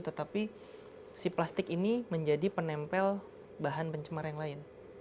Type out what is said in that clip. tetapi si plastik ini menjadi penempel bahan pencemar yang lain